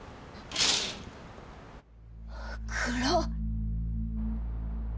暗っ！